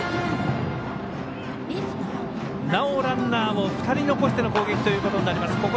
なおランナーを２人残しての攻撃ということになります。